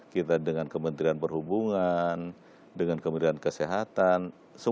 kita dengan kementerian perhubungan dengan kementerian kesehatan